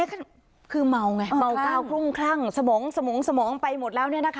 นี่คือเมาไงเมาเกาครุ่งครั่งสมองสม่องสมองไปหมดแล้วนี่นะคะ